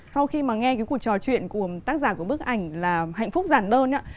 sau khi mà nghe cái cuộc trò chuyện của tác giả của bức ảnh là hạnh phúc giản đơn ạ